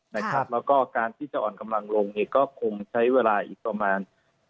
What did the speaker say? แล้วก็การที่จะอ่อนกำลังลงก็คงใช้เวลาอีกประมาณ